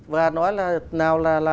và nói là